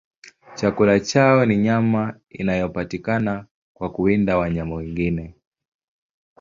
Chakula chao ni nyama inayopatikana kwa kuwinda wanyama wengine.